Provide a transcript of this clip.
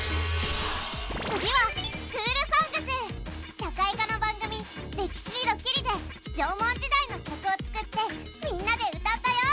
次は社会科の番組「歴史にドキリ」で縄文時代の曲を作ってみんなで歌ったよ。